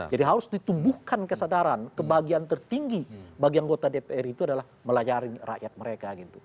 jadi harus ditumbuhkan kesadaran kebagian tertinggi bagi anggota dpr itu adalah melayani rakyat mereka gitu